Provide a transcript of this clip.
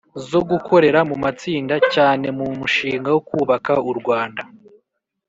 zo gukorera mu matsinda cyane mu mushinga wo kubaka u Rwanda